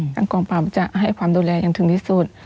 กองปราบจะให้ความดูแลอย่างถึงที่สุด